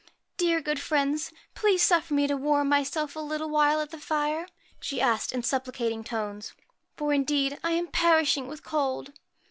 * Dear, good friends, please suffer me to warm my self a little while at the fire,' she asked, in suppli cating tones ;' for, indeed, I am perishing with cold.'